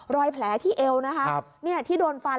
รอยแผลที่เอวนะคะที่โดนฟัน